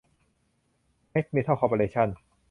แมกซ์ เมทัล คอร์ปอเรชั่น